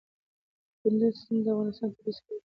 کندز سیند د افغانستان طبعي ثروت دی.